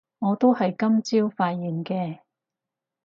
我都係今朝發現嘅